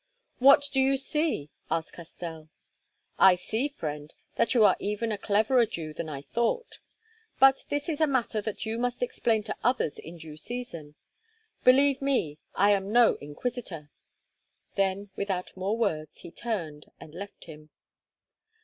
"What do you see?" asked Castell. "I see, friend, that you are even a cleverer Jew than I thought. But this is a matter that you must explain to others in due season. Believe me, I am no inquisitor." Then without more words he turned and left him.